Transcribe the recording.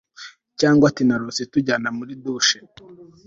cyangwa ati narose tujyana muri douche